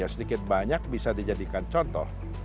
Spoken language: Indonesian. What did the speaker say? sedikit banyak bisa dijadikan contoh